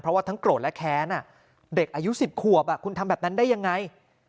เพราะว่าทั้งโกรธและแค้นเด็กอายุ๑๐ขวบคุณทำแบบนั้นได้ยังไง